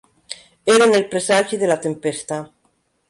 Eren el presagi de la tempesta.